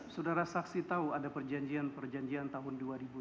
saudara saksi tahu ada perjanjian perjanjian tahun dua ribu dua puluh